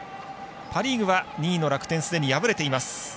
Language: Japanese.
パ・リーグは２位の楽天、すでに敗れています。